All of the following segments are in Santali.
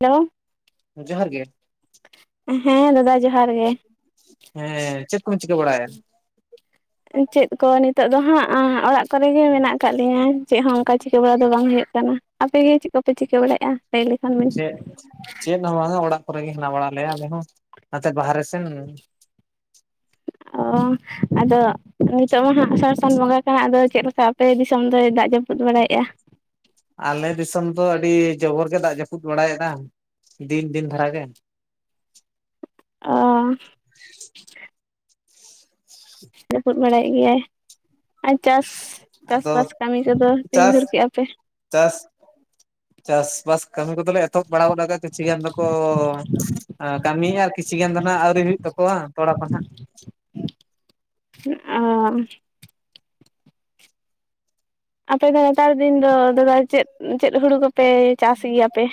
[unintelligible] ᱡᱚᱦᱟᱨ ᱜᱮ ᱦᱮᱸ ᱫᱟᱫᱟ ᱡᱚᱦᱟᱨ ᱜᱮ ᱦᱮᱸ ᱪᱮᱫ ᱠᱚᱢ ᱪᱤᱠᱟᱹ ᱵᱟᱲᱟᱭᱟ? ᱪᱮᱫ ᱠᱚ ᱱᱤᱛᱚᱜ ᱫᱚ ᱦᱟᱸᱜ ᱚᱲᱟᱜ ᱠᱚᱨᱮ ᱜᱮ ᱢᱮᱱᱟᱜ ᱠᱟᱫ ᱞᱤᱧᱟᱹ ᱪᱮᱫ ᱦᱚᱸ ᱚᱱᱠᱟ ᱪᱤᱠᱟᱹ ᱵᱟᱲᱟ ᱫᱚ ᱵᱟᱝ ᱦᱩᱭᱩᱜ ᱠᱟᱱᱟ, ᱟᱯᱮᱜᱮ ᱪᱮᱫ ᱠᱚᱯᱮ ᱪᱤᱠᱟᱹ ᱵᱟᱲᱟᱭᱮᱫᱼᱟ? ᱞᱮᱭ ᱞᱮᱠᱷᱟᱱ ᱵᱤᱱ ᱪᱮᱫ ᱪᱮᱫ ᱦᱚᱸ ᱵᱟᱝᱼᱟ ᱚᱲᱟᱜ ᱠᱚᱨᱮᱜ ᱜᱮ ᱦᱮᱱᱟᱜ ᱵᱟᱲᱟ ᱞᱮᱭᱟ ᱟᱞᱮ ᱦᱚᱸ ᱱᱟᱛᱮ ᱵᱟᱦᱨᱮ ᱥᱮᱱ ᱚ ᱟᱫᱚ ᱱᱤᱛᱚᱜ ᱢᱟ ᱦᱟᱸᱜ [inaudible] ᱥᱟᱱ ᱵᱚᱸᱜᱟ ᱠᱟᱱᱟ ᱟᱫᱚ ᱪᱮᱫ ᱞᱮᱠᱟ ᱟᱯᱮ ᱫᱤᱥᱚᱢ ᱫᱚᱭ ᱫᱟᱜ ᱡᱟᱹᱯᱩᱫ ᱵᱟᱲᱟᱭᱮᱫᱼᱟ? ᱟᱞᱮ ᱫᱤᱥᱚᱢ ᱫᱚ ᱟᱹᱰᱤ ᱡᱚᱵᱚᱨ ᱜᱮ ᱫᱟᱜ ᱡᱟᱹᱯᱩᱫ ᱵᱟᱲᱟᱭᱮᱫᱼᱟ ᱫᱤᱱ ᱫᱤᱱ ᱫᱷᱟᱨᱟᱭ ᱜᱮ ᱚ [unintelligible] ᱡᱟᱹᱯᱩᱫ ᱵᱟᱲᱟᱭᱮᱜ ᱜᱮᱭᱟᱭ ᱟᱨ ᱪᱟᱥ ᱟᱫᱚ ᱪᱟᱥᱼᱵᱟᱥ ᱠᱟᱹᱢᱤ ᱠᱚᱫᱚ ᱛᱤᱱ ᱪᱟᱥ ᱫᱷᱩᱨ ᱠᱮᱜᱼᱟ ᱯᱮ? ᱪᱟᱥ ᱪᱟᱥ-ᱵᱟᱥ ᱠᱟᱹᱢᱤ ᱠᱚᱫᱚᱞᱮ ᱮᱛᱚᱦᱚᱵ ᱵᱟᱲᱟ ᱜᱚᱫ ᱠᱟᱫᱟ ᱠᱤᱪᱷᱤ ᱜᱟᱱ ᱫᱚᱠᱚ ᱮᱸ ᱠᱟᱹᱢᱤᱭᱮᱫ ᱟᱨ ᱠᱤᱪᱷᱤ ᱜᱟᱱ ᱫᱚ ᱱᱟᱸᱜ ᱟᱹᱣᱨᱤ ᱦᱩᱭᱩᱜ ᱛᱟᱠᱚᱣᱟ ᱛᱚᱲᱟ ᱠᱚ ᱦᱟᱸᱜ ᱚ ᱟᱯᱮ ᱫᱚ ᱱᱮᱛᱟᱨ ᱫᱤᱱ ᱫᱚ ᱫᱟᱫᱟ ᱪᱮᱫ ᱪᱮᱫ ᱦᱩᱲᱩ ᱠᱚᱯᱮ ᱪᱟᱥ ᱜᱮᱭᱟᱯᱮ?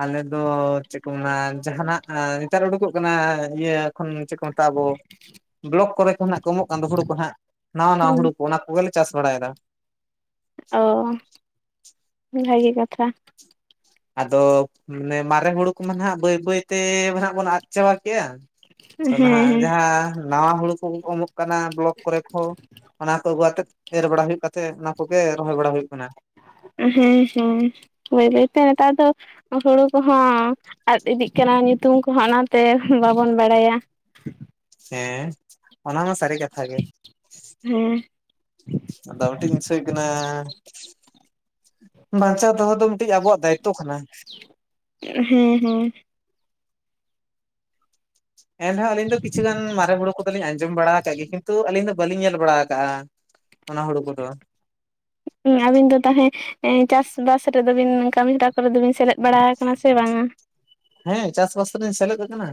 ᱟᱞᱮ ᱫᱚ ᱪᱮᱫ ᱠᱚ ᱢᱮᱱᱟ ᱡᱟᱦᱟᱸᱱᱟᱜ ᱱᱮᱛᱟᱨ ᱳᱰᱳᱠᱚᱜ ᱠᱟᱱᱟ ᱤᱭᱟᱹ ᱠᱷᱚᱱ ᱪᱮᱫ ᱠᱚ ᱢᱮᱛᱟᱜᱼᱟ ᱟᱵᱚ ᱵᱞᱚᱠ ᱠᱚᱨᱮ ᱠᱷᱚᱱᱟᱸᱜ ᱠᱚ ᱮᱢᱚᱜ ᱠᱟᱱ ᱫᱚ ᱦᱳᱲᱳ ᱠᱚ ᱦᱟᱸᱜ ᱱᱟᱣᱟ ᱱᱟᱣᱟ ᱦᱳᱲᱳ ᱠᱚ ᱚᱱᱟ ᱠᱚᱜᱮᱞᱮ ᱪᱟᱥ ᱵᱟᱲᱟᱭᱫᱟ ᱚ ᱵᱷᱟᱜᱮ ᱠᱟᱛᱷᱟ ᱟᱫᱚ ᱢᱟᱱᱮ ᱢᱟᱨᱮ ᱦᱳᱲᱳ ᱠᱚ ᱢᱟ ᱱᱟᱦᱟᱸᱜ ᱵᱟᱹᱭ ᱵᱟᱹᱭᱛᱮ ᱱᱟᱜ ᱵᱚᱱ ᱟᱫ ᱪᱟᱵᱟ ᱠᱮᱭᱟ ᱦᱮᱸ ᱛᱚ ᱱᱟᱦᱟᱸᱜ ᱦᱮᱸ ᱡᱟᱦᱟᱸ ᱱᱟᱣᱟ ᱦᱩᱲᱳ ᱠᱚ [unintelligible] ᱠᱟᱱᱟ ᱵᱞᱚᱠ ᱠᱚᱨᱮ ᱠᱷᱚ ᱚᱱᱟ ᱠᱚ ᱟᱹᱜᱩ ᱟᱛᱮᱫ ᱮᱨ ᱵᱟᱲᱟ ᱦᱩᱭᱩᱜ ᱠᱟᱛᱮᱜ ᱚᱱᱟ ᱠᱚᱜᱮ ᱨᱚᱦᱚᱭ ᱵᱟᱲᱟ ᱦᱳᱭᱳᱜ ᱠᱟᱱᱟ ᱦᱮᱸ ᱦᱮᱸ ᱵᱟᱹᱭ ᱵᱟᱹᱭᱛᱮ ᱱᱮᱛᱟᱨ ᱫᱚ ᱦᱳᱲᱳ ᱠᱚᱦᱚᱸ ᱟᱫ ᱤᱫᱤᱜ ᱠᱟᱱᱟ ᱧᱩᱛᱩᱢ ᱠᱚᱦᱚᱸ ᱚᱱᱟᱛᱮ ᱵᱟᱵᱚᱱ ᱵᱟᱲᱟᱭᱟ ᱦᱮᱸ ᱚᱱᱟᱢᱟ ᱥᱟᱨᱤ ᱠᱟᱛᱷᱟ ᱜᱮ ᱦᱮᱸ ᱟᱫᱚ ᱢᱤᱫᱴᱤᱡ [unintelligible] ᱠᱟᱱᱟ ᱵᱟᱧᱪᱟᱣ ᱫᱚᱦᱚ ᱫᱚ [unintelligible] ᱟᱵᱚᱣᱟᱜ ᱫᱟᱭᱤᱛᱛᱚ ᱠᱟᱱᱟ ᱦᱮᱸ ᱦᱮᱸ ᱮᱱᱨᱮᱦᱚᱸ ᱟᱹᱞᱤᱧ ᱫᱚ ᱠᱤᱪᱷᱩᱜᱟᱱ ᱢᱟᱨᱮ ᱦᱳᱨᱳ ᱠᱚᱫᱚ ᱞᱤᱧ ᱟᱸᱡᱚᱢ ᱵᱟᱲᱟ ᱠᱟᱫ ᱜᱮ ᱠᱤᱱᱛᱩ ᱟᱹᱞᱤᱧ ᱫᱚ ᱵᱟᱹᱞᱤᱧ ᱧᱮᱞ ᱵᱟᱲᱟ ᱠᱟᱜᱼᱟ ᱚᱱᱟ ᱦᱳᱲᱳ ᱠᱚᱫᱚ ᱟᱵᱤᱱ ᱫᱚ ᱛᱟᱦᱮᱸ ᱮᱸ ᱪᱟᱥᱵᱟᱥ ᱨᱮᱫᱚ ᱵᱤᱱ ᱠᱟᱹᱢᱤᱦᱚᱨᱟ ᱠᱚᱨᱮ ᱫᱚᱵᱤᱱ ᱥᱮᱞᱮᱫ ᱵᱟᱲᱟ ᱠᱟᱱᱟ ᱥᱮ ᱵᱟᱝᱟ? ᱦᱮᱸ ᱪᱟᱥᱵᱟᱥ ᱨᱮᱧ ᱥᱮᱞᱮᱫ ᱠᱟᱱᱟ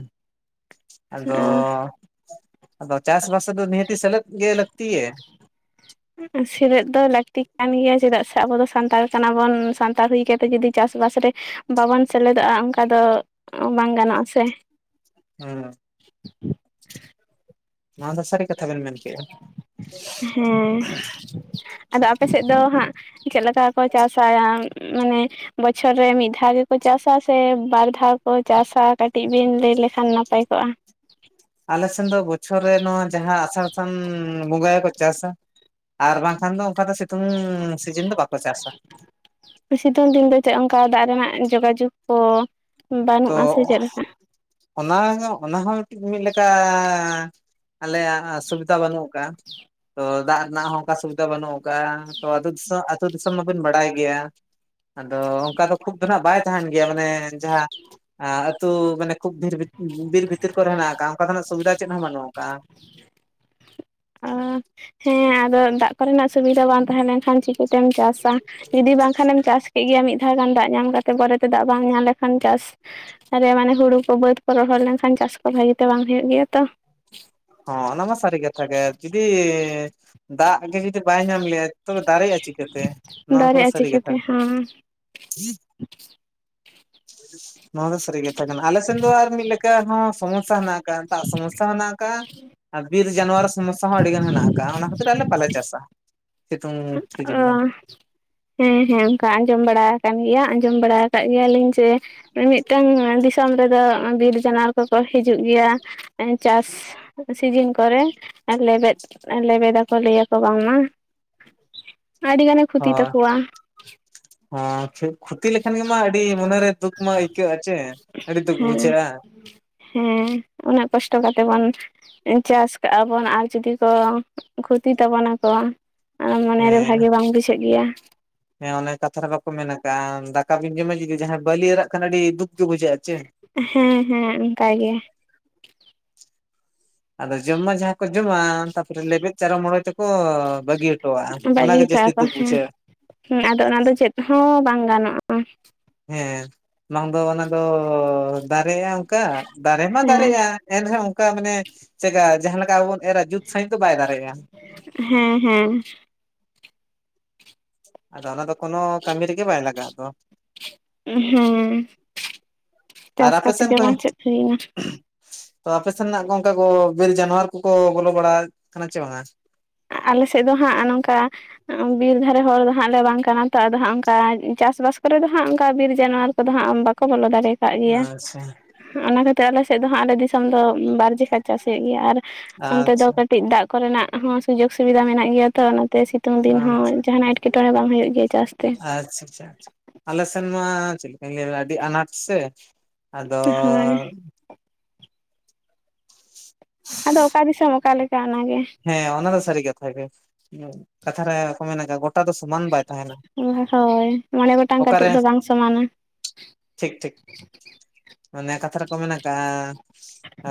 ᱟᱫᱚ, ᱟᱫᱚ ᱪᱟᱥᱵᱟᱥ ᱫᱚ ᱱᱤᱦᱟᱹᱛᱤ ᱥᱮᱞᱮᱫ ᱜᱮ ᱞᱟᱹᱠᱛᱤ ᱜᱮ ᱥᱮᱞᱮᱫ ᱫᱚ ᱞᱟᱠᱛᱤ ᱠᱟᱱ ᱜᱮᱭᱟ ᱪᱮᱫᱟᱜ ᱥᱮ ᱟᱵᱚ ᱫᱚ ᱥᱟᱱᱛᱟᱲ ᱠᱟᱱᱟᱵᱚᱱ ᱥᱟᱱᱛᱟᱲ ᱦᱩᱭ ᱛᱮ ᱡᱩᱫᱤ ᱪᱟᱥᱼᱵᱟᱥ ᱨᱮ ᱵᱟᱵᱚᱱ ᱥᱮᱞᱮᱫᱚᱜᱼᱟ ᱚᱱᱠᱟ ᱫᱚ ᱵᱟᱝ ᱜᱟᱱᱚᱜ-ᱟ ᱥᱮ ᱦᱩᱸ [inaudible] [inaudible] ᱱᱚᱣᱟ ᱫᱚ ᱥᱟᱹᱨᱤ ᱠᱟᱛᱷᱟ ᱵᱮᱱ ᱢᱮᱱ ᱠᱮᱜᱼᱟ, ᱦᱮᱸ ᱟᱫᱚ ᱟᱯᱮᱥᱮᱫ ᱫᱚ ᱦᱟᱸᱜ, ᱪᱮᱫ ᱞᱮᱠᱟ ᱠᱚ ᱪᱟᱥᱟᱭᱟ? [inaudible] [inaudible] ᱵᱚᱪᱷᱚᱨ ᱨᱮ ᱢᱤᱫ ᱫᱷᱟᱣ ᱜᱮᱠᱚ ᱪᱟᱥᱟ, ᱥᱮ ᱵᱟᱨ ᱫᱷᱟᱣ ᱠᱚ ᱪᱟᱥᱟ, ᱠᱟᱹᱴᱤᱡ ᱵᱤᱱ ᱞᱟᱹᱭ ᱞᱮᱠᱷᱟᱱ ᱱᱟᱯᱟᱭ ᱠᱚᱜᱼᱟ? ᱟᱞᱮᱥᱮᱱ ᱫᱚ ᱵᱚᱪᱷᱚᱨ ᱨᱮ ᱱᱚᱣᱟ, ᱡᱟᱦᱟᱸ ᱟᱥᱟᱲ ᱥᱟᱱ ᱵᱚᱸᱜᱟᱭ ᱠᱚ ᱪᱟᱥᱟ, ᱟᱨ ᱵᱟᱝᱠᱷᱟᱱ ᱫᱚ ᱚᱱᱠᱟ ᱫᱚ, ᱥᱮᱛᱳᱝ ᱥᱤᱡᱤᱱ ᱫᱚ ᱵᱟᱠᱚ ᱪᱟᱥᱟ᱾ ᱥᱤᱛᱩᱝ ᱫᱤᱱ ᱫᱚ ᱪᱮᱫ, ᱚᱝᱠᱟ ᱫᱟᱜ ᱨᱮᱱᱟᱜ ᱡᱳᱜᱟᱡᱳᱜᱽ ᱠᱚ ᱵᱟᱹᱱᱩᱜᱼᱟ ᱥᱮ ᱛᱚ ᱪᱮᱫ ᱞᱮᱠᱟ ᱚᱱᱟ ᱜᱮᱸ ᱚᱱᱟ ᱦᱚᱸ ᱢᱤᱫ ᱞᱮᱠᱟ, ᱟᱞᱮᱭᱟᱜ ᱥᱩᱵᱤᱫᱷᱟ ᱵᱟᱹᱱᱩᱜ [inaudible] [unintelligible] ᱛᱚ ᱫᱟᱜ ᱨᱮᱱᱟᱜ ᱦᱚᱸ, ᱚᱱᱠᱟ ᱥᱩᱵᱤᱫᱷᱟ ᱵᱟᱹᱱᱩᱜ ᱠᱟᱜᱼᱟ, ᱛᱚ ᱟᱛᱳ ᱫᱤᱥᱚᱢ, ᱟᱹᱛᱳ ᱫᱤᱥᱚᱢ ᱢᱟᱵᱤᱱ ᱵᱟᱲᱟᱭ ᱜᱮᱭᱟ᱾ ᱟᱫᱚ ᱚᱝᱠᱟ ᱫᱚ ᱠᱷᱩᱵ ᱫᱚ ᱱᱟᱸᱜ ᱵᱟᱭ ᱛᱟᱦᱮᱱ ᱜᱮᱭᱟ, ᱢᱟᱱᱮ ᱡᱟᱦᱟᱸ ᱟᱹᱛᱩ ᱢᱮᱱᱮᱠ ᱠᱷᱩᱵ ᱵᱤᱨ ᱵᱷᱤᱛᱤᱨ ᱠᱚᱨᱮ ᱦᱤᱱᱟᱜ ᱠᱟᱜᱼᱟ, ᱚᱱᱠᱟᱱᱟᱜ ᱥᱩᱵᱤᱫᱷᱟ ᱪᱮᱫ ᱦᱚᱸ ᱵᱟᱹᱱᱩᱜ ᱠᱟᱜᱼᱟ᱾ ᱚ ᱦᱮᱸ ᱟᱫᱚ ᱫᱟᱜ ᱠᱚᱨᱮᱱᱟᱜ, ᱥᱩᱵᱤᱫᱟ ᱵᱟᱝ ᱛᱟᱦᱮᱸ ᱞᱮᱱᱠᱷᱟᱱ ᱪᱤᱠ ᱛᱮᱢ ᱪᱟᱥᱟ, ᱡᱩᱫᱤ ᱵᱟᱝᱠᱷᱟᱱ ᱮᱢ ᱪᱟᱥ ᱠᱮᱫ ᱜᱮᱭᱟ ᱢᱤᱫ ᱫᱷᱟᱣ ᱜᱟᱱ ᱫᱟᱜ ᱧᱟᱢ ᱠᱟᱛᱮ, ᱯᱚᱨᱮᱛᱮ ᱫᱟᱜ ᱵᱟᱝ ᱧᱟᱢ ᱞᱮᱠᱷᱟᱱ, ᱪᱟᱥ ᱟᱨᱮ ᱢᱟᱱᱮ ᱦᱳᱲᱳ ᱠᱚ, ᱵᱟᱹᱫ ᱠᱚ ᱨᱚᱦᱚᱲ ᱞᱮᱱᱠᱷᱟᱱ, ᱪᱟᱥ ᱠᱚ ᱵᱷᱟᱜᱮᱛᱮ ᱵᱟᱝ ᱦᱳᱭᱳᱜ ᱜᱮᱭᱟ ᱛᱚ᱾ ᱦᱚ ᱚᱱᱟ ᱢᱟ ᱥᱟᱨᱤ ᱠᱟᱛᱷᱟ, ᱜᱮ ᱡᱩᱫᱤ ᱫᱟᱜ ᱜᱮ ᱡᱩᱫᱤ ᱵᱟᱭ ᱧᱟᱢ ᱞᱮᱟᱭ, ᱛᱚᱵᱮ ᱫᱟᱨᱮᱭᱟᱜᱼᱟ ᱪᱤᱠᱟᱹ ᱛᱮ, ᱱᱚᱣᱟ ᱠᱚᱫᱚ ᱫᱟᱨᱮᱜᱼᱟ ᱥᱟᱹᱨᱤ ᱠᱟᱛᱷᱟ᱾ ᱪᱤᱠᱟᱹᱛᱮ ᱦᱮᱸ ᱱᱚᱣᱟ ᱫᱚ ᱥᱟᱹᱨᱤ ᱠᱟᱛᱷᱟ ᱠᱟᱱᱟ, ᱟᱞᱮ ᱥᱮᱱ ᱫᱚ ᱟᱨᱢᱤ ᱞᱮᱠᱟᱱ ᱠᱟ ᱦᱚᱸ ᱥᱚᱢᱚᱥᱟ ᱦᱮᱱᱟᱜ ᱠᱟᱜ-ᱟ, ᱫᱟᱜ ᱥᱚᱢᱚᱥᱟ ᱦᱚ ᱦᱮᱱᱟᱜ ᱠᱟᱜ-ᱟ᱾ ᱟᱨ ᱵᱤᱨ ᱡᱟᱱᱣᱟ ᱥᱚᱢᱚᱥᱥᱟ ᱦᱚᱸ ᱟᱹᱰᱤᱜᱟᱱ ᱢᱮᱱᱟᱜ ᱠᱟᱜ-ᱟ, ᱚᱱᱟ ᱠᱷᱟᱹᱛᱤᱨ ᱟᱞᱮ ᱵᱟᱞᱮ ᱪᱟᱥᱟ᱾ ᱥᱤᱛᱩᱝ ᱥᱤᱡᱤᱱ ᱚ, ᱫᱚ ᱦᱮᱸ, ᱦᱮᱸ, ᱚᱝᱠᱟ ᱟᱸᱡᱚᱢ ᱵᱟᱲᱟ ᱠᱟᱱ ᱜᱮᱭᱟ, ᱟᱸᱡᱚᱢ ᱵᱟᱲᱟ ᱠᱟᱜ ᱜᱮᱭᱟᱞᱤᱧ ᱡᱮ ᱢᱤᱢᱤᱫᱴᱟᱝ ᱫᱤᱥᱚᱢ ᱨᱮᱫᱚ, ᱵᱤᱨ ᱡᱟᱱᱟᱣ ᱠᱚᱠᱚ ᱦᱤᱡᱩᱜ ᱜᱮᱭᱟ᱾ ᱪᱟᱥ ᱥᱤᱡᱤᱱ ᱠᱚᱨᱮ, ᱞᱮᱵᱮᱫ-ᱞᱮᱵᱮᱫ ᱟᱠᱚ ᱞᱟᱹᱭᱟᱠᱚ ᱵᱟᱝ ᱢᱟ, ᱟᱹᱰᱤᱜᱟᱱ ᱦᱚᱭ ᱠᱷᱚᱛᱤ ᱞᱮᱠᱷᱟᱱ ᱜᱮᱢᱟ ᱟᱹᱰᱤ ᱢᱚᱱᱮᱨᱮ ᱫᱩᱠ ᱢᱟ ᱟᱹᱭᱠᱟᱹᱜ-ᱟᱪ ᱟᱹᱭᱠᱟᱹᱜ ᱟᱪᱮ, ᱟᱹᱰᱤ ᱫᱩᱠ ᱦᱮᱸ ᱵᱩᱡᱷᱟᱹᱜ-ᱟ᱾ ᱦᱮᱸ ᱩᱱᱟᱹᱜ ᱠᱚᱥᱴᱚ ᱠᱟᱛᱮᱜ ᱵᱚᱱ ᱪᱟᱥ ᱠᱟᱜ ᱟ ᱵᱚᱱ ᱟᱨ, ᱡᱩᱫᱤ ᱠᱚ ᱠᱷᱚᱛᱤ ᱛᱟᱵᱚ ᱱᱟᱠᱚ, ᱟᱸ ᱢᱚᱱᱮᱨᱮ ᱦᱮᱸ ᱵᱷᱟᱜᱮ ᱵᱟᱝ ᱵᱩᱡᱷᱟᱹᱜ ᱜᱮᱭᱟ᱾ ᱦᱮᱸ ᱚᱱᱮ ᱠᱟᱛᱷᱟ ᱨᱮ ᱵᱟᱠᱚ ᱢᱮᱱ ᱠᱟᱜᱼᱟ, ᱫᱟᱠᱟ ᱵᱤᱱ ᱡᱚᱢᱟ ᱡᱩᱫᱤ ᱡᱟᱦᱟᱸᱭ ᱵᱟᱹᱞᱤ ᱮᱨᱟᱜ ᱠᱷᱟᱱ, ᱟᱹᱰᱤ ᱫᱩᱠ ᱜᱮ ᱵᱩᱡᱷᱟᱹᱜᱼᱟ ᱪᱮ? ᱦᱮᱸ, ᱦᱮᱸ, ᱚᱱᱠᱟ ᱜᱮ᱾ ᱟᱫᱚ ᱡᱚᱢᱟ ᱡᱟᱦᱟᱸ ᱠᱚ ᱡᱚᱢᱟ, ᱛᱟᱯᱚᱨᱮ ᱞᱮᱵᱮᱫ ᱪᱟᱨᱚ ᱢᱚᱬ ᱛᱮᱠᱚ ᱠᱚ ᱵᱟᱹᱜᱤ ᱦᱚᱴᱚᱼᱟ, ᱚᱱᱟᱜᱮ ᱡᱟᱹᱥᱛᱤ ᱫᱩᱠ ᱵᱩᱡᱷᱟᱹᱜᱼᱟ᱾ ᱦᱩᱸ ᱟᱫᱚ ᱚᱱᱟ ᱫᱚ ᱪᱮᱫ ᱦᱚᱸ ᱵᱟᱝ ᱜᱟᱱᱚᱜᱼᱟ᱾ ᱦᱮᱸ ᱵᱟᱝ ᱫᱚ ᱚᱱᱟ ᱫᱚ, ᱫᱟᱨᱮᱜᱼᱟ ᱚᱱᱠᱟ ᱫᱟᱨᱮ ᱢᱟ ᱦᱮᱸ ᱫᱟᱨᱮᱜᱼᱟ᱾ ᱮᱱ ᱨᱮᱦᱚᱸ ᱚᱱᱠᱟ ᱢᱟᱱᱮ ᱪᱮᱫᱠᱟ, ᱡᱟᱦᱟᱸ ᱞᱮᱠᱟ ᱟᱵᱚ ᱵᱚᱱ ᱮᱨᱨᱟ, ᱡᱩᱛ ᱥᱟᱺᱦᱤᱡ ᱫᱚ ᱵᱟᱭ ᱫᱟᱲᱮᱭᱟᱜᱼᱟ᱾ ᱦᱮᱸ, ᱦᱮᱸ᱾ ᱟᱫᱚ ᱚᱱᱟ ᱫᱚ ᱠᱳᱱᱳ, ᱠᱟᱹᱢᱤ ᱨᱮᱜᱮ ᱵᱟᱭ ᱞᱟᱜᱟᱜ ᱫᱚ᱾ ᱦᱮᱸ, ᱟᱨ ᱪᱟᱥ ᱟᱯᱮ ᱠᱟᱛᱮ ᱥᱮᱱ ᱜᱮ ᱠᱷᱚ ᱵᱟᱝ ᱪᱮᱫ ᱦᱩᱭᱱᱟ ᱛᱚ ᱟᱯᱮ ᱥᱮᱱᱱᱟᱜ ᱠᱚ, ᱚᱝᱠᱟ ᱠᱚ ᱵᱤᱨ ᱡᱟᱱᱣᱟᱨ ᱠᱚᱠᱚ, ᱵᱚᱞᱚ ᱵᱟᱲᱟ ᱠᱟᱱᱟ ᱪᱮ ᱵᱟᱝᱼᱟ? ᱟᱞᱮ ᱥᱮᱫ ᱫᱚ ᱦᱟᱸᱜ, ᱱᱚᱝᱠᱟ ᱵᱤᱨ ᱫᱷᱟᱨᱮ ᱦᱚᱲ ᱫᱚ ᱦᱟᱸᱜ ᱞᱮ, ᱵᱟᱝ ᱠᱟᱱᱟ ᱾ ᱛᱚ ᱟᱫᱚ ᱦᱟᱸᱜ, ᱚᱱᱠᱟ ᱪᱟᱥᱵᱟᱥ ᱠᱚᱨᱮ ᱫᱚ ᱦᱟᱸᱜ, ᱚᱱᱠᱟ ᱵᱤᱨ ᱡᱟᱱᱣᱟᱨ ᱠᱚᱫᱚ ᱦᱟᱸᱜ, ᱵᱟ ᱠᱚ ᱵᱚᱞᱚ ᱫᱟᱲᱮ ᱠᱟᱜ ᱜᱮᱭᱟ, ᱟᱪᱪᱷᱟ ᱚᱱᱟ ᱠᱷᱟᱹᱛᱤᱨ ᱟᱞᱮ ᱥᱮᱫ ᱫᱚ ᱦᱟᱸᱜ, ᱟᱞᱮ ᱫᱤᱥᱚᱢ ᱫᱚ, ᱵᱟᱨ ᱡᱮᱠᱷᱟ ᱪᱟᱥ ᱦᱩᱭᱩᱜ ᱜᱮᱭᱟ ᱾ ᱟᱨ [inaudible] ᱚᱱᱛᱮ ᱫᱚ ᱟᱪᱪᱷᱟ ᱠᱟᱹᱴᱤᱡ, ᱫᱟᱜ ᱠᱚᱨᱮᱱᱟᱜ ᱦᱚᱸ, ᱥᱩᱡᱳᱜᱽ ᱥᱩᱵᱤᱫᱟ ᱢᱮᱱᱟᱜ ᱜᱮᱭᱟ ᱛᱚ, ᱚᱱᱟᱛᱮ ᱥᱤᱛᱩᱝ ᱫᱤᱱ ᱟᱪᱪᱷᱟ ᱦᱚᱸ, ᱡᱟᱦᱟᱱᱟᱜ ᱮᱴᱠᱮᱴᱚᱬᱮ ᱵᱟᱝ ᱦᱩᱭᱩᱜ ᱜᱮᱭᱟ, ᱪᱟᱥ ᱛᱮ ᱾ ᱟᱼᱪᱪᱷ ᱪᱷᱟ ᱟᱪᱷᱟ ᱾ ᱟᱞᱮ ᱥᱮᱱ ᱢᱟ, ᱪᱮᱫ ᱞᱮᱠᱟᱧ ᱞᱟᱹᱭᱟ ᱟᱹᱰᱤ ᱟᱱᱟᱴ ᱥᱮ, ᱟᱫᱚ ᱦᱳᱭ ᱟᱫᱚ, ᱚᱠᱟ ᱫᱤᱥᱚᱢ, ᱚᱠᱟ ᱞᱮᱠᱟ ᱚᱱᱟ ᱜᱮ ᱾ ᱦᱮᱸ, ᱚᱱᱟ ᱫᱚ ᱥᱟᱹᱨᱤ ᱠᱟᱛᱷᱟ ᱜᱮ, ᱠᱟᱛᱷᱟ ᱨᱮ ᱠᱚ ᱢᱮᱱᱟ, ᱜᱚᱴᱟ ᱫᱚ ᱥᱚᱢᱟᱱ ᱵᱟᱭ ᱛᱟᱦᱮᱱᱟ ᱾ [unintelligible] ᱦᱳᱭ, ᱢᱚᱬᱮ ᱜᱚᱴᱟᱝ ᱠᱟᱹᱴᱩᱵ ᱫᱚ, ᱵᱟᱝ ᱥᱚᱢᱟᱱᱟ ᱾ ᱴᱷᱤᱠ ᱴᱷᱤᱠ ᱚᱱᱮ, ᱠᱟᱛᱷᱟ ᱨᱮᱠᱚ ᱢᱮᱱ ᱟᱠᱟᱜᱼᱟ ᱾ ᱟᱻ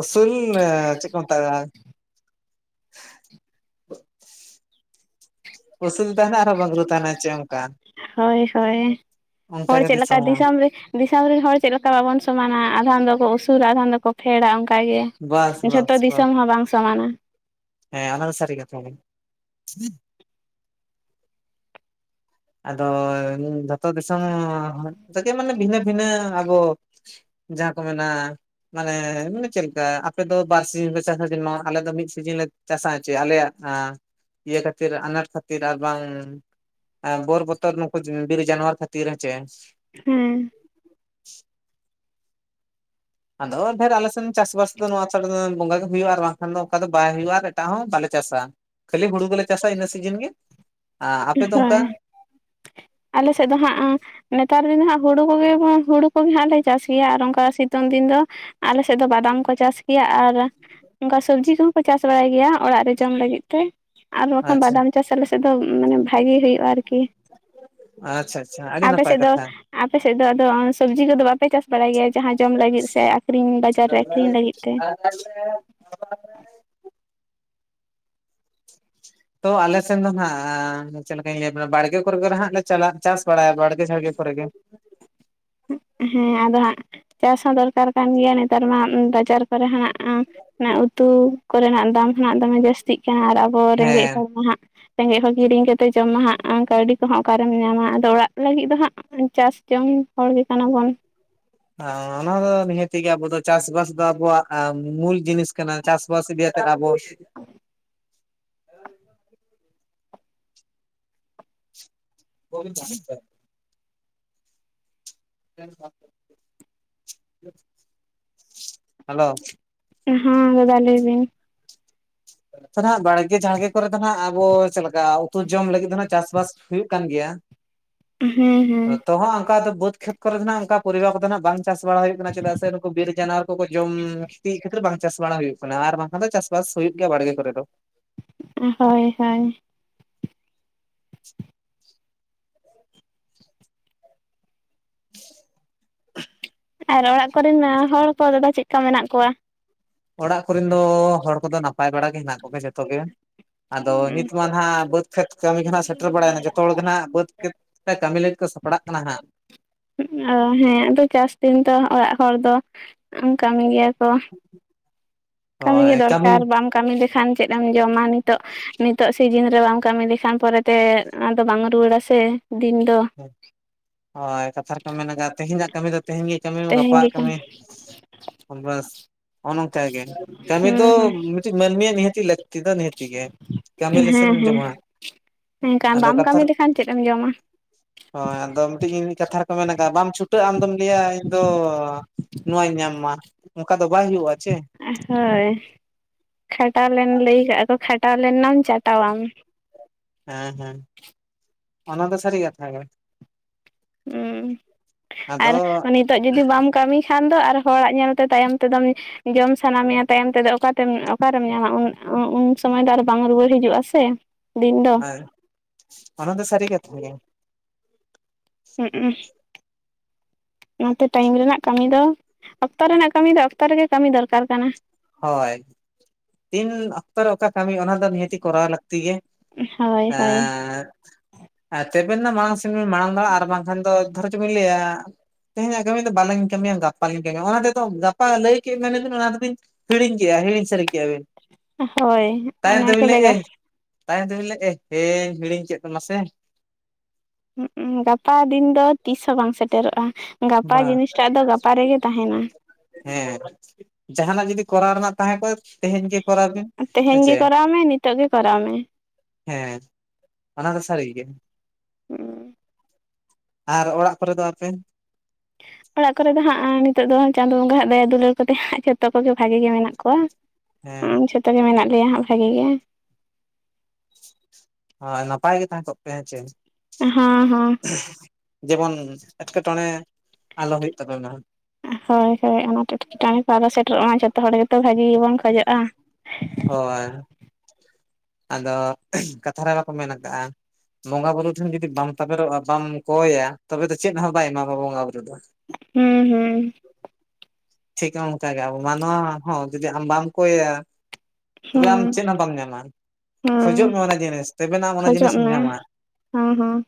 ᱩᱥᱩᱞᱻᱟᱻ ᱪᱮᱫ ᱠᱚ, ᱢᱮᱛᱟᱜ-ᱟ? [inaudible] ᱚᱥᱩᱞ ᱛᱟᱦᱮᱱᱟ, ᱟᱨᱦᱚᱸ ᱵᱟᱝᱨᱩ ᱛᱟᱦᱮᱱᱟ, ᱪᱮ ᱚᱱᱠᱟ, ᱦᱳᱭ ᱦᱳᱭ ᱚᱱᱠᱟ ᱦᱚᱲ ᱜᱮ ᱪᱮᱫ ᱞᱮᱠᱟ ᱫᱤᱥᱚᱢ ᱦᱚᱸ ᱾ ᱨᱮ ᱫᱤᱥᱚᱢ ᱨᱮᱱ ᱦᱚᱲ ᱪᱮᱫ ᱞᱮᱠᱟ ᱵᱟᱵᱚᱱ ᱥᱚᱢᱟᱱᱟ ᱾ ᱟᱫᱷᱟᱱ ᱫᱚᱠᱚ ᱩᱥᱩᱞᱟ, ᱟᱫᱷᱟᱱ ᱫᱚᱠᱚ ᱯᱷᱮᱲᱰᱟ, ᱚᱱᱠᱟ ᱜᱮ ᱵᱟᱥ ᱾ ᱵᱟᱥ ᱡᱷᱚᱛᱚ ᱵᱟᱥ ᱫᱤᱥᱚᱢ ᱦᱚᱸ, ᱵᱟᱝ ᱥᱚᱢᱟᱱᱟ ᱾ ᱦᱮᱸ, ᱚᱱᱟ ᱫᱚ, ᱥᱟᱨᱤ ᱠᱟᱛᱷᱟ ᱜᱮ ᱾ ᱟᱫᱚ, ᱡᱚᱛᱚ ᱫᱤᱥᱚᱢ [inaudible] ᱛᱮᱜᱮ ᱢᱟᱱᱮ, ᱵᱷᱤᱱᱟᱹ ᱵᱷᱤᱱᱟᱹ ᱟᱵᱚ [inaudible] ᱡᱟᱦᱟᱸ ᱠᱚ, ᱢᱮᱱᱟ ᱢᱟᱱᱮ, ᱢᱟᱱᱮ ᱪᱮᱫ ᱞᱮᱠᱟ, ᱟᱯᱮ ᱫᱚ, ᱵᱟᱨ ᱥᱤᱡᱤᱱ ᱯᱮ ᱪᱟᱥᱟ ᱾ ᱡᱮᱱᱚ ᱟᱞᱮ ᱫᱚ, ᱢᱤᱫ ᱥᱤᱡᱤᱱ ᱞᱮ ᱪᱟᱥᱟ ᱦᱮᱸᱪᱮ, ᱟᱞᱮᱭᱟᱜ, ᱟᱸ ᱤᱭᱟᱹ, ᱠᱷᱟᱹᱛᱤᱨ, ᱟᱱᱟᱴ ᱠᱷᱟᱹᱛᱤᱨ, ᱟᱨ ᱵᱟᱝ ᱵᱳᱨ ᱵᱚᱛᱚᱨ, ᱱᱩᱠᱩ ᱵᱤᱨ ᱡᱟᱱᱣᱟᱨ ᱠᱷᱟᱹᱛᱤᱨ, ᱦᱮᱸᱪᱮ ᱾ ᱦᱩᱸ ᱻ ᱾ ᱟᱫᱚ, ᱰᱷᱮᱨ ᱟᱞᱮ ᱥᱮᱱ ᱪᱟᱥᱵᱟᱥ ᱫᱚ, ᱱᱚᱣᱟ ᱪᱷᱟᱰᱟ ᱫᱚ, ᱵᱚᱸᱜᱟ ᱜᱮ ᱦᱩᱭᱩᱜᱼᱟ, ᱟᱨ ᱵᱟᱝᱠᱷᱟᱱ ᱫᱚ, ᱚᱱᱠᱟ ᱫᱚ ᱵᱟᱭ ᱦᱩᱭᱩᱜᱼᱟ, ᱟᱨ ᱮᱴᱟᱜ ᱦᱚᱸ ᱵᱟᱞᱮ ᱪᱟᱥᱟ ᱾ ᱠᱷᱟᱹᱞᱤ, ᱦᱩᱲᱩ ᱫᱚ ᱞᱮ ᱪᱟᱥᱟ, ᱤᱱᱟᱹ ᱥᱤᱡᱤᱱ ᱜᱮ ᱾ ᱦᱳᱭ, ᱟᱞᱮ ᱥᱮᱫ ᱫᱚ ᱦᱟᱸᱜ, ᱟᱸ ᱱᱮᱛᱟᱨ ᱫᱤᱱ ᱫᱚ ᱦᱟᱸᱜ, ᱦᱩᱲᱩ ᱠᱚᱜᱮ, ᱦᱩᱲᱩ ᱠᱚᱜᱮ ᱦᱟᱸᱜ ᱞᱮ, ᱪᱟᱥ ᱜᱮᱭᱟ, ᱟᱨ ᱚᱱᱠᱟ ᱥᱤᱛᱩᱝ ᱫᱤᱱ ᱫᱚ, ᱟᱞᱮ ᱥᱮᱫ ᱫᱚ, ᱵᱟᱫᱟᱢ ᱠᱚ ᱪᱟᱥ ᱜᱮᱭᱟ, ᱟᱨ ᱚᱱᱠᱟ ᱥᱚᱵᱽᱡᱤ ᱠᱚᱦᱚᱸ ᱠᱚ, ᱪᱟᱥ ᱵᱟᱲᱟᱭ ᱜᱮᱭᱟ, ᱚᱲᱟᱜ ᱨᱮ, ᱡᱚᱢ ᱞᱟᱹᱜᱤᱫ ᱛᱮ ᱾ ᱟᱨ ᱵᱟᱠᱷᱟᱱ, ᱟᱪᱪᱷᱟ ᱵᱟᱫᱟᱢ ᱪᱟᱥ ᱟᱞᱮ ᱥᱮᱫ ᱫᱚ, ᱢᱟᱱᱮ, ᱵᱷᱟᱜᱮ ᱦᱩᱭᱩᱜᱼᱟ, ᱟᱨᱠᱤ ᱟᱪᱪᱷᱟ ᱟᱪᱪᱷᱟ ᱟᱹᱰᱤ ᱾ ᱟᱯᱮ ᱱᱟᱯᱟᱭ ᱥᱮᱫ ᱫᱚ, ᱠᱟᱛᱷᱟ ᱟᱯᱮ ᱥᱮᱫ ᱫᱚ ᱟᱫᱚ, ᱥᱚᱵᱽᱡᱤ ᱠᱚᱫᱚ, ᱵᱟᱯᱮ ᱪᱟᱥ ᱵᱟᱲᱟᱭ ᱜᱮᱭᱟ, ᱡᱟᱦᱟᱸ ᱡᱚᱢ ᱞᱟᱹᱜᱤᱫ ᱥᱮ, ᱟᱠᱷᱨᱤᱧ ᱵᱟᱡᱟᱨ ᱨᱮ, ᱟᱠᱷᱨᱤᱧ ᱞᱟᱹᱜᱤᱫ ᱛᱮ ᱾ [inaudible] [unintelligible] ᱛᱚ ᱟᱞᱮ ᱥᱮᱱ ᱫᱚ ᱱᱷᱟᱸᱜ, ᱪᱮᱫ ᱞᱮᱠᱟ. ᱧ ᱞᱟᱹᱭ ᱟᱵᱮᱱᱟ? ᱵᱟᱲᱜᱮ ᱠᱚᱨᱮ ᱜᱮ ᱱᱷᱟᱸᱜ, ᱞᱮ ᱪᱟᱞᱟᱜ ᱪᱟᱥ ᱵᱟᱲᱟᱭᱟ, ᱵᱟᱲ ᱜᱮ, ᱡᱷᱟᱲᱜᱮ ᱠᱚᱨᱮ ᱜᱮ ᱾ [inaudible] ᱦᱮᱸ ᱟᱫᱚ ᱦᱟᱸᱜ, ᱪᱟᱥ ᱦᱚᱸ ᱫᱚᱨᱠᱟᱨ ᱠᱟᱱ ᱜᱮᱭᱟ, ᱱᱮᱛᱟᱨ ᱢᱟ ᱵᱟᱡᱟᱨ ᱠᱚᱨᱮ ᱦᱚᱸᱱᱷᱟᱜ ᱚᱱᱟ, ᱩᱛᱩ ᱠᱚᱨᱮ ᱱᱟᱜ, ᱫᱟᱢ ᱦᱚᱸᱱᱷᱟᱜ ᱫᱚᱢᱮ ᱡᱟᱹᱥᱛᱤᱜ ᱠᱟᱱᱟ, ᱟᱨ ᱟᱵᱚ ᱨᱮᱸᱜᱮᱡ ᱦᱮᱸ ᱦᱚᱲ ᱠᱚ, ᱦᱟᱸᱜ ᱨᱮᱸᱜᱮᱡ ᱦᱚᱲ, ᱠᱤᱨᱤᱧ ᱠᱟᱛᱮ ᱡᱚᱢ ᱢᱟ ᱦᱟᱸᱜ, ᱠᱟᱹᱣᱰᱤ ᱠᱚᱦᱚᱸ ᱚᱠᱟᱨᱮᱢ ᱧᱟᱢᱟ ᱾ ᱟᱫᱚ ᱚᱲᱟᱜ ᱞᱟᱹᱜᱤᱫ ᱫᱚ ᱦᱟᱸᱜ, ᱪᱟᱥ ᱡᱚᱝ ᱦᱚᱲ ᱜᱮ, ᱠᱟᱱᱟ ᱵᱚᱱ ᱾ ᱟᱸᱻ ᱚᱱᱟ ᱫᱚ ᱱᱤᱦᱟᱹᱛᱤ ᱜᱤ, ᱟᱵᱩ ᱫᱚ, ᱪᱟᱥᱵᱟᱥ ᱫᱚ, ᱟᱵᱩᱣᱟᱜ ᱢᱩᱞ ᱡᱤᱱᱤᱥ ᱠᱟᱱᱟ ᱾ ᱪᱟᱥ ᱵᱟᱥ ᱜᱮ, ᱟᱵᱚᱥ [unintelligible] [inaudible] [unintelligible] ᱜᱚᱵᱤᱱ ᱪᱟᱥ ᱡᱟᱭ, [unintelligible] ᱦᱮᱞᱳ᱾ ᱦᱮᱸ ᱫᱟᱫᱟ ᱞᱟᱹᱭ ᱵᱤᱱ᱾ ᱱᱚᱛᱮ ᱫᱚᱱ ᱦᱟᱸᱜ ᱵᱟᱲᱜᱮ ᱡᱷᱟᱲᱜᱮ ᱠᱚᱨᱮ ᱫᱚ ᱦᱟᱸᱜ ᱟᱵᱚ ᱪᱮᱫᱞᱮᱠᱟ ᱩᱛᱩ ᱡᱚᱢ ᱞᱟᱹᱜᱤᱫ ᱫᱚ ᱦᱟᱸᱜ ᱪᱟᱥᱵᱟᱥ ᱦᱩᱭᱩᱜ ᱠᱟᱱ ᱜᱮᱭᱟ᱾ ᱦᱮᱸ ᱦᱮᱸ ᱛᱚ ᱦᱟᱸᱜ ᱚᱱᱠᱟ ᱫᱚ ᱵᱟᱹᱫᱽ ᱠᱷᱮᱛ ᱠᱚᱨᱮ ᱫᱚᱱ ᱦᱟᱸᱜ ᱚᱱᱠᱟ ᱯᱚᱨᱤᱵᱟᱨ ᱠᱚᱫᱚᱱ ᱦᱟᱸᱜ ᱵᱟᱝ ᱪᱟᱥ ᱵᱟᱲᱟ ᱦᱩᱭᱩᱜ ᱠᱟᱱᱟ ᱪᱮᱫᱟᱜ ᱥᱮ ᱱᱩᱠᱩ ᱵᱤᱨ ᱡᱟᱱᱣᱟᱨ ᱠᱚᱠᱚ ᱡᱚᱢ ᱠᱷᱤᱛᱤᱭᱮᱫ ᱠᱷᱟᱹᱛᱤᱨ ᱵᱟᱝ ᱪᱟᱥ ᱵᱟᱲᱟ ᱦᱩᱭᱩᱜ᱾ ᱚᱱᱟ ᱟᱨ ᱵᱟᱝᱠᱷᱟᱱ ᱫᱚ ᱪᱟᱥᱵᱟᱥ ᱦᱩᱭᱩᱜ ᱜᱮᱭᱟ ᱵᱟᱲᱜᱮ ᱠᱚᱨᱮ ᱫᱚ᱾ ᱩᱸ ᱦᱳᱭ ᱦᱳᱭ᱾ [inaudible] ᱟᱨ ᱚᱲᱟᱜ ᱠᱚᱨᱮᱱ ᱦᱚᱲ ᱠᱚ ᱫᱟᱫᱟ ᱪᱮᱫᱠᱟ ᱢᱮᱱᱟᱜ ᱠᱚᱣᱟ? ᱚᱲᱟᱜ ᱠᱚᱨᱮᱱ ᱫᱚ ᱦᱚᱲ ᱠᱚᱫᱚ ᱱᱟᱯᱟᱭ ᱵᱟᱲᱟ ᱜᱮ ᱦᱮᱱᱟᱜ ᱠᱚᱜᱮ ᱡᱚᱛᱚ ᱜᱮ᱾ ᱟᱫᱚ ᱱᱤᱛ ᱢᱟᱱ ᱦᱟᱸᱜ ᱵᱟᱹᱫᱽ ᱠᱷᱮᱛ ᱠᱟᱹᱢᱤ ᱠᱷᱚᱱᱟᱜ ᱥᱮᱴᱮᱨ ᱵᱟᱲᱟᱭᱱᱟ ᱡᱚᱛᱚ ᱦᱚᱲ ᱜᱮᱱ ᱦᱟᱸᱜ ᱵᱟᱹᱫᱽ ᱠᱷᱮᱛ ᱛᱮ ᱠᱟᱹᱢᱤ ᱞᱟᱹᱜᱤᱫ ᱠᱚ ᱥᱟᱯᱲᱟᱜ ᱠᱟᱱᱟ ᱦᱟᱸᱜ᱾ ᱚ ᱦᱮᱸ ᱟᱫᱚ ᱪᱟᱥ ᱫᱤᱱ ᱫᱚ ᱚᱲᱟᱜ ᱦᱚᱲ ᱫᱚ ᱠᱟᱹᱢᱤ ᱜᱮᱭᱟ ᱠᱚ᱾ [inaudible] ᱠᱟᱹᱢᱤ ᱜᱮ ᱫᱚᱨᱠᱟᱨ ᱵᱟᱢ ᱠᱟᱹᱢᱤ ᱞᱮᱠᱷᱟᱱ ᱪᱮᱫ ᱮᱢ ᱡᱚᱢᱟ ᱱᱤᱛᱚᱜ᱾ ᱱᱤᱛᱚᱜ ᱥᱤᱡᱤᱱ ᱨᱮ ᱵᱟᱢ ᱠᱟᱹᱢᱤ ᱞᱮᱠᱷᱟᱱ ᱯᱚᱨᱮᱛᱮ ᱚᱱᱟᱫᱚ ᱵᱟᱝ ᱨᱩᱣᱟᱹᱲᱟ ᱥᱮ ᱫᱤᱱ ᱫᱚ᱾ ᱦᱮᱸ᱾ ᱦᱳᱭ ᱠᱟᱛᱷᱟ ᱨᱮᱠᱚ ᱢᱮᱱᱟ ᱡᱮ ᱛᱤᱦᱮᱧᱟᱜ ᱠᱟᱹᱢᱤ ᱫᱚ ᱛᱮᱦᱮᱧ ᱜᱮ ᱠᱟᱹᱢᱤᱭ ᱢᱮ ᱛᱮᱦᱮᱧ ᱜᱟᱯᱟᱣᱟᱜ ᱜᱮ ᱠᱟᱹᱢᱤ ᱩᱢᱵᱟᱹᱥ ᱚ ᱱᱚᱝᱠᱟ ᱜᱮ ᱠᱟᱹᱢᱤ ᱫᱚ ᱦᱩᱸ ᱦᱩᱸ ᱢᱤᱫᱴᱤᱡ ᱢᱟᱹᱱᱢᱤᱭᱟᱜ ᱱᱤᱦᱟᱹᱛᱤ ᱞᱟᱹᱠᱛᱤ ᱫᱚ ᱱᱤᱦᱟᱹᱛᱤ ᱜᱮ᱾ ᱠᱟᱹᱢᱤ ᱞᱮᱥᱮᱢ ᱡᱚᱢᱟ᱾ ᱮᱸ ᱠᱟᱱ ᱟᱫᱚ ᱵᱟᱢ ᱠᱟᱛᱷᱟ ᱠᱟᱹᱢᱤ ᱞᱮᱠᱷᱟᱱ ᱪᱮᱫ ᱮᱢ ᱡᱚᱢᱟ᱾ ᱦᱳᱭ ᱟᱫᱚ ᱢᱤᱫᱴᱤᱡ ᱤᱱ ᱠᱟᱛᱷᱟ ᱨᱮᱠᱚ ᱢᱮᱱᱟ ᱠᱟ ᱵᱟᱢ ᱪᱷᱩᱴᱟᱹᱜᱼᱟ ᱟᱢᱫᱚᱢ ᱞᱟᱹᱭᱟ ᱤᱧ ᱫᱚ ᱱᱚᱣᱟᱧ ᱧᱟᱢ ᱢᱟ ᱱᱚᱠᱟ ᱫᱚ ᱵᱟᱝ ᱦᱩᱭᱩᱜᱼᱟ ᱪᱮ᱾ ᱦᱳᱭ ᱠᱷᱟᱴᱟᱣ ᱞᱮᱱ ᱞᱟᱹᱭ ᱠᱟᱜᱼᱟ ᱠᱚ ᱠᱷᱟᱴᱟᱣ ᱞᱮᱱ ᱱᱟᱢ ᱪᱟᱴᱟᱣᱟᱢ ᱦᱮᱸ ᱦᱮᱸ ᱚᱱᱟ ᱫᱚ ᱥᱟᱹᱨᱤ ᱠᱟᱛᱷᱟ ᱜᱮ ᱩ ᱟᱫᱚ ᱟᱨ ᱩᱱᱤ ᱱᱤᱛᱚᱜ ᱡᱩᱫᱤ ᱵᱟᱢ ᱠᱟᱹᱢᱤ ᱠᱷᱟᱱ ᱫᱚ ᱟᱨ ᱦᱚᱲᱟᱜ ᱧᱮᱞ ᱛᱮ ᱛᱟᱭᱚᱢ ᱛᱮ ᱫᱚᱢ ᱡᱚᱢ ᱥᱟᱱᱟ ᱢᱮᱭᱟ ᱛᱟᱭᱚᱢ ᱛᱮᱫᱚ ᱚᱠᱟᱛᱮᱢ ᱚᱠᱟᱨᱮᱢ ᱧᱟᱢᱟ ᱩᱱ ᱥᱩᱢᱟᱹᱭ ᱫᱚ ᱟᱨ ᱵᱟᱝ ᱨᱩᱣᱟᱹᱲ ᱦᱤᱡᱩᱜ ᱟᱥᱮ ᱫᱤᱱ ᱫᱚ᱾ ᱚᱱᱟ ᱫᱚ ᱥᱟᱹᱨᱤ ᱠᱟᱛᱷᱟ ᱜᱮ᱾ ᱦᱩᱜ-ᱩ᱾ ᱚᱱᱟᱛᱮ ᱴᱟᱭᱤᱢ ᱨᱮᱱᱟᱜ ᱠᱟᱹᱢᱤ ᱫᱚ, ᱚᱠᱛᱚ ᱨᱮᱱᱟᱜ ᱠᱟᱹᱢᱤ ᱫᱚ ᱚᱠᱛᱚ ᱨᱮ ᱜᱮ ᱠᱟᱹᱢᱤ ᱫᱚᱨᱠᱟᱨ ᱠᱟᱱᱟ᱾ ᱦᱳᱭ ᱛᱤᱱ ᱚᱠᱛᱚ ᱨᱮ ᱚᱠᱟ ᱠᱟᱹᱢᱤ ᱚᱱᱟ ᱫᱚ ᱱᱤᱦᱟᱹᱛᱤ ᱠᱚᱨᱟᱣ ᱞᱟᱹᱠᱛᱤ ᱜᱮ ᱦᱳᱭ ᱮᱻ ᱦᱳᱭ ᱟᱨ ᱪᱮᱫ ᱵᱮᱱ ᱱᱟ ᱢᱟᱲᱟᱲ ᱥᱮᱱ ᱵᱮᱱ ᱢᱟᱲᱟᱝ ᱫᱟᱲᱮᱜᱟ ᱟᱨ ᱵᱟᱝᱠᱷᱟᱱ ᱫᱚ ᱫᱷᱚᱨᱚ ᱪᱮᱫ ᱵᱤᱱ ᱞᱟᱹᱭ ᱟ ᱛᱮᱦᱮᱧᱟᱜ ᱠᱟᱹᱢᱤ ᱫᱚ ᱵᱟᱞᱤᱧ ᱠᱟᱹᱢᱤᱭᱟ ᱜᱟᱯᱟᱞᱤᱧ ᱠᱟᱹᱢᱤᱭᱟ ᱚᱱᱟ ᱛᱮᱫᱚ ᱜᱟᱯᱟ ᱞᱟᱹᱭ ᱠᱮᱜ ᱢᱮᱱᱵᱤᱱ ᱚᱱᱟ ᱫᱚᱵᱤᱱ ᱦᱤᱲᱤᱧ ᱠᱮᱜᱼᱟ ᱦᱤᱲᱤᱧ ᱥᱟᱹᱨᱤ ᱠᱮᱜᱼᱟ ᱵᱤᱱ ᱦᱳᱭ ᱛᱟᱭᱚᱢ ᱛᱮ ᱚᱱᱟ ᱠᱚ ᱵᱤᱱ ᱞᱟᱹᱭᱟ ᱮ ᱛᱟᱭᱚᱢ ᱫᱚᱵᱤᱱ ᱞᱟᱹᱭᱟ ᱮᱸᱦ-ᱮ ᱦᱤᱲᱤᱧ ᱠᱮᱜ ᱫᱚ ᱱᱟᱥᱮ ᱦᱩᱜ-ᱩ ᱜᱟᱯᱟ ᱫᱤᱱ ᱫᱚ ᱛᱤᱥ ᱦᱚᱸ ᱵᱟᱝ ᱥᱮᱴᱮᱨᱚᱜᱼᱟ᱾ ᱜᱟᱯᱟ ᱵᱟ ᱡᱤᱱᱤᱥ ᱴᱟᱜ ᱫᱚ ᱜᱟᱯᱟ ᱨᱮ ᱜᱮ ᱛᱟᱦᱮᱱᱟ᱾ ᱦᱮᱸ ᱡᱟᱦᱟᱱᱟᱜ ᱡᱩᱫᱤ ᱠᱚᱨᱟᱣ ᱨᱮᱱᱟᱜ ᱛᱟᱦᱮᱸ ᱠᱚᱜ ᱛᱮᱦᱮᱧ ᱜᱮ ᱠᱚᱨᱟᱣ ᱵᱤᱱ ᱛᱮᱦᱮᱧ ᱦᱮᱸᱥᱮ ᱜᱮ ᱠᱚᱨᱟᱣ ᱢᱮ ᱱᱤᱛᱚᱜ ᱜᱮ ᱠᱚᱨᱟᱣ ᱢᱮ᱾ ᱦᱮᱸ ᱚᱱᱟ ᱫᱚ ᱥᱟᱹᱨᱤ ᱜᱮ᱾ ᱟᱨ ᱚᱲᱟᱜ ᱠᱚᱨᱮ ᱫᱚ ᱟᱯᱮ? ᱚᱲᱟᱜ ᱠᱚᱨᱮ ᱫᱚ ᱦᱟᱸᱜ ᱱᱤᱛᱚᱜ ᱫᱚ ᱪᱟᱸᱫᱳ ᱵᱚᱸᱜᱟ ᱦᱟᱸᱜ ᱫᱟᱭᱟ ᱫᱩᱞᱟᱹᱲ ᱠᱚᱛᱮ ᱦᱟᱸᱜ ᱡᱷᱚᱛᱚ ᱠᱚᱜᱮ ᱵᱷᱟᱜᱮ ᱜᱮ ᱢᱮᱱᱟᱜ ᱠᱚᱣᱟ᱾ ᱦᱮᱸ ᱡᱷᱚᱛᱚ ᱜᱮ ᱢᱮᱱᱟᱜ ᱞᱮᱭᱟ ᱦᱟᱸᱜ ᱵᱷᱟᱜᱮ ᱜᱮ᱾ ᱦᱳᱭ ᱱᱟᱯᱟᱭ ᱜᱮ ᱛᱟᱦᱮᱸ ᱠᱚᱜ ᱯᱮ ᱦᱮᱸᱪᱮ, ᱦᱚᱸ ᱦᱚᱸ [unintelligible] ᱡᱮᱢᱚᱱ ᱮᱴᱠᱮᱴᱚᱬᱮ ᱟᱞᱚ ᱦᱳᱭᱳᱜ ᱛᱟᱯᱮᱢᱟ ᱦᱳᱭ ᱦᱳᱭ ᱟᱱᱟᱴ ᱮᱴᱠᱮ ᱴᱚᱬᱮ ᱠᱚ ᱟᱞᱚ ᱥᱮᱴᱮᱨᱚᱜ ᱢᱟ ᱡᱷᱚᱛᱚ ᱦᱚᱲ ᱜᱮᱛᱚ ᱵᱷᱟᱹᱜᱮ ᱜᱮᱵᱚᱱ ᱠᱷᱚᱡᱚᱜᱼᱟ᱾ ᱦᱳᱭ ᱟᱫᱚ ᱠᱟᱛᱷᱟ ᱨᱮ ᱵᱟᱠᱚ ᱢᱮᱱᱠᱟᱜᱼᱟᱼᱼ ᱵᱚᱸᱜᱟ ᱵᱩᱨᱩ ᱴᱷᱮᱱ ᱡᱩᱫᱤ ᱵᱟᱢ ᱛᱟᱵᱮᱨᱚᱜᱼᱟ ᱵᱟᱢ ᱠᱚᱭᱟ ᱛᱚᱵᱮ ᱫᱚ ᱪᱮᱫ ᱦᱚᱸ ᱵᱟᱭ ᱮᱢᱟᱢᱟ ᱵᱚᱸᱜᱟ ᱵᱩᱨᱩ ᱫᱚ ᱦᱩᱸ, ᱦᱩᱸ ᱴᱷᱤᱠᱟᱢ ᱚᱱᱠᱟ ᱜᱮ ᱟᱵᱚ ᱢᱟᱱᱣᱟ ᱦᱚᱸ ᱡᱩᱫᱤ ᱟᱢ ᱵᱟᱢ ᱠᱚᱭᱟ᱾ ᱛᱚᱵᱮ ᱟᱢ ᱦᱩᱸ ᱪᱮᱫ ᱦᱚᱸ ᱵᱟᱢ ᱧᱟᱢᱟ ᱦᱩᱸ ᱠᱷᱚᱡᱚᱜ ᱢᱮ ᱚᱱᱟ ᱡᱤᱱᱤᱥ ᱛᱚᱵᱮᱱᱟ ᱟᱢ ᱚᱱᱟ ᱡᱤᱱᱤᱥ ᱮᱢ ᱧᱟᱢᱟ᱾ ᱦᱮᱸ ᱦᱮᱸ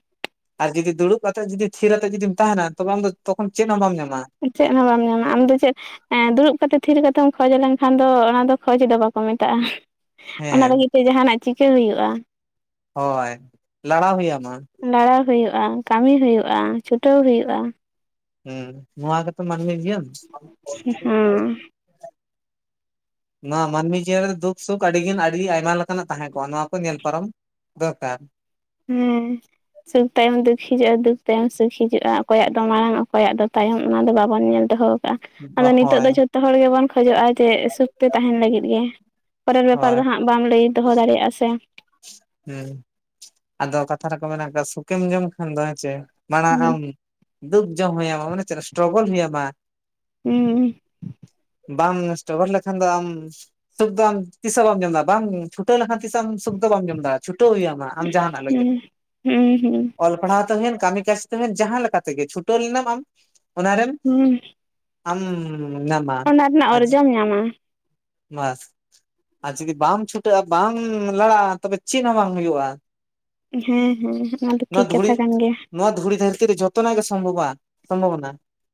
ᱟᱨ ᱡᱩᱫᱤ ᱫᱩᱲᱩᱵ ᱠᱟᱛᱮᱫ ᱡᱩᱫᱤ ᱛᱷᱤᱨ ᱟᱛᱮ ᱡᱩᱫᱤᱢ ᱛᱟᱦᱮᱱᱟ ᱛᱚᱵᱮ ᱟᱢ ᱫᱚ ᱛᱚᱠᱷᱚᱱ ᱪᱮᱫ ᱦᱚᱸ ᱵᱟᱢ ᱧᱟᱢᱟ᱾ ᱪᱮᱫ ᱦᱚᱸ ᱵᱟᱢ ᱧᱟᱢᱟ ᱟᱢ ᱫᱚ ᱪᱮᱫᱼᱼ ᱮ ᱫᱩᱲᱩᱵ ᱠᱟᱛᱮ ᱛᱷᱤᱨ ᱠᱟᱛᱮᱢ ᱠᱷᱚᱡ ᱞᱮᱱᱠᱷᱟᱱ ᱫᱚ ᱚᱱᱟ ᱫᱚ ᱠᱷᱚᱡ ᱫᱚ ᱵᱟᱠᱚ ᱢᱮᱛᱟᱜᱼᱟ᱾ ᱚᱱᱟ ᱦᱮᱸ ᱞᱟᱹᱜᱤᱫ ᱛᱮ ᱡᱟᱦᱟ ᱱᱟᱜ ᱪᱤᱠᱟᱹ ᱦᱳᱭᱳᱜᱼᱟ᱾ ᱦᱳᱭ ᱞᱟᱲᱟᱣ ᱦᱳᱭ ᱟᱢᱟ ᱞᱟᱲᱟᱣ ᱦᱳᱭᱳᱜᱼᱟ, ᱠᱟᱹᱢᱤ ᱦᱳᱭᱳᱜᱼᱟ, ᱪᱷᱩᱴᱟᱹᱣ ᱦᱳᱭᱳᱜᱼᱟ ᱦᱮᱸ ᱱᱚᱣᱟ ᱜᱮᱛᱚ ᱢᱟᱹᱱᱢᱤ ᱡᱤᱭᱚᱱ ᱦᱮᱸ ᱱᱚᱣᱟ ᱢᱟᱹᱱᱢᱤ ᱡᱤᱭᱚᱱ ᱨᱮ ᱫᱩᱠ ᱥᱩᱠ ᱟᱹᱰᱤᱜᱟᱱ ᱟᱹᱰᱤ ᱟᱭᱢᱟ ᱞᱮᱠᱟᱱᱟᱜ ᱛᱟᱦᱮᱸ ᱠᱚᱜᱼᱟ ᱱᱚᱣᱟ ᱠᱚ ᱧᱮᱞ ᱯᱟᱨᱚᱢ ᱫᱚᱨᱠᱟᱨ ᱦᱮᱸᱻ ᱥᱩᱠ ᱛᱟᱭᱚᱢ ᱫᱩᱠ ᱦᱤᱡᱩᱜᱼᱟ ᱫᱩᱠ ᱛᱟᱭᱚᱢ ᱥᱩᱠ ᱦᱤᱡᱩᱜᱼᱟ, ᱚᱠᱚᱭᱟᱜ ᱫᱚ ᱢᱟᱲᱟᱝ ᱚᱠᱚᱭᱟᱜ ᱫᱚ ᱛᱟᱭᱚᱢ ᱚᱱᱟ ᱫᱚ ᱵᱟᱵᱚᱱ ᱧᱮᱞ ᱫᱚᱦᱚᱸᱼᱼ ᱠᱟᱜᱼᱟ ᱟᱫᱚ ᱱᱤᱛᱚᱜ ᱦᱳᱭ ᱫᱚ ᱡᱷᱚᱛᱚ ᱦᱚᱲ ᱜᱮᱵᱚᱱ ᱠᱷᱚᱡᱚᱜᱼᱟ ᱡᱮ ᱥᱩᱠ ᱛᱮ ᱛᱟᱦᱮᱱ ᱞᱟᱹᱜᱤᱫ ᱜᱮ᱾ ᱯᱚᱨᱮᱨ ᱵᱮᱯᱟᱨ ᱦᱳᱭ ᱫᱚ ᱦᱟᱸᱜ ᱵᱟᱢ ᱞᱟᱹᱭ ᱫᱚᱦᱚ ᱫᱟᱲᱮ ᱟᱥᱮᱼᱼ ᱦᱮᱸ ᱟᱫᱚ ᱠᱟᱛᱷᱟ ᱨᱮᱠᱚ ᱢᱮᱱᱠᱟᱜ-ᱟ ᱥᱩᱠᱮᱢ ᱧᱟᱢ ᱠᱷᱟᱱ ᱫᱚ ᱦᱮᱸ ᱪᱮ ᱢᱟᱲᱟᱝ ᱟᱢ ᱦᱩᱸ ᱫᱩᱠ ᱡᱚᱢ ᱦᱳᱭᱟᱢᱟ ᱢᱟᱱᱮ ᱪᱮᱫ ᱥᱴᱨᱚᱜᱚᱞ ᱦᱩᱭ ᱟᱢᱟ᱾ ᱩ ᱵᱟᱢ ᱥᱴᱚᱜᱚᱞ ᱞᱮᱠᱷᱟᱱ ᱫᱚ ᱟᱢᱼᱼ ᱥᱩᱠ ᱫᱚ ᱟᱢ ᱛᱤᱥ ᱦᱚᱸ ᱵᱟᱢ ᱡᱚᱢᱫᱟ ᱵᱟᱢ ᱪᱷᱩᱴᱟᱹ ᱞᱮᱠᱷᱟᱱ ᱛᱤᱥ ᱦᱚᱸ ᱟᱢ ᱥᱩᱠ ᱫᱚ ᱵᱟᱢᱼᱼ ᱪᱷᱩᱴᱟᱹᱣ ᱦᱩᱭᱟᱢ ᱟᱢ ᱡᱟᱦᱟ ᱱᱟᱜ ᱞᱟᱹᱜᱤᱫ ᱦᱩᱸ ᱦᱩᱸ ᱦᱩᱸ ᱚᱞ ᱯᱟᱲᱦᱟᱣ ᱛᱮ ᱦᱩᱭᱮᱱ ᱠᱟᱹᱢᱤ ᱠᱟᱡᱽᱼᱼ ᱛᱮ ᱡᱟᱦᱟᱸ ᱞᱮᱠᱟ ᱛᱮᱜᱮ ᱪᱷᱩᱴᱟᱹᱣ ᱞᱮᱱᱟ ᱟᱢ ᱚᱱᱟ ᱨᱮᱱ ᱦᱩᱸ ᱟᱢᱼᱼ ᱦᱩᱸ ᱱᱟᱢᱟ ᱚᱱᱟ ᱨᱮᱱᱟᱜ ᱟ ᱚᱨᱡᱚᱢ ᱧᱟᱢᱟ᱾ ᱵᱟᱥ ᱾ ᱟᱨ ᱡᱩᱫᱤ ᱵᱟᱢ ᱪᱷᱩᱴᱟᱹᱜᱼᱟ ᱵᱟᱢ ᱞᱟᱲᱟᱜᱼᱟ ᱛᱚᱵᱮ ᱪᱮᱫ ᱦᱚᱸ ᱵᱟᱝ ᱦᱩᱭᱩᱜᱼᱟ᱾ ᱦᱮᱸ ᱦᱮᱸ ᱚᱱᱟ ᱫᱚ ᱱᱚᱣᱟ ᱴᱷᱤᱠ ᱫᱷᱩᱲᱤ ᱠᱟᱛᱷᱟ ᱠᱟᱱ ᱜᱮᱭᱟ᱾ ᱱᱚᱣᱟ ᱫᱷᱩᱲᱤ ᱫᱷᱟᱹᱨᱛᱤ ᱨᱮ ᱡᱚᱛᱚᱱᱟᱜ ᱜᱮ ᱥᱚᱢᱵᱷᱚᱵᱼᱟ ᱥᱚᱢᱵᱷᱚ ᱵᱚᱱᱟ᱾